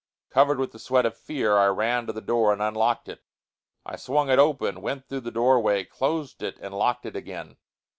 Covered with the sweat of fear, I ran to the door and unlocked it. I swung it open, went through the doorway, closed it and locked it again.